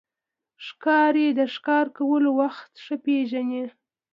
ښکاري د ښکار کولو وخت ښه پېژني.